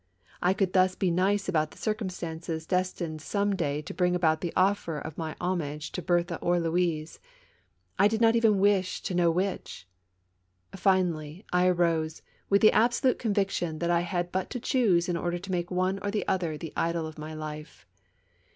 I could thus be nice about the circumstances destined some day to bring about the offer of my hom age to Berthe or Louise, I did not even wish to know which. Finally, I arose, with the absolute conviction that I had but to choose in order to make one or the other the idol of my life.